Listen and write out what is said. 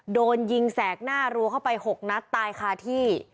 โดนยิงแสกหน้ารัวเข้าไป๖นัดตายคาที่